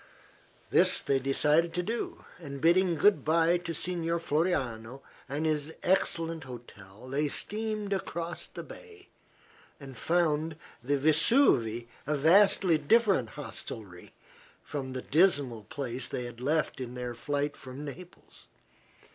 This they decided to do, and bidding good bye to Signor Floriano and his excellent hotel they steamed across the bay and found the "Vesuve" a vastly different hostelry from the dismal place they had left in their flight from Naples.